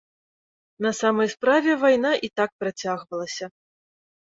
На самай справе, вайна і так працягвалася.